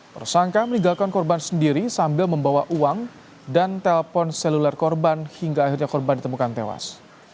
tersangka meninggalkan korban sendiri sambil membawa uang dan telpon seluler korban hingga akhirnya korban ditemukan tewas